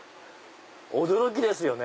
驚きですよね。